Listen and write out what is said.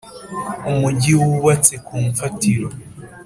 umugi wubatse ku mfatiro